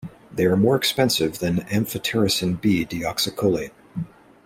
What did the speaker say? They are more expensive than amphotericin B deoxycholate.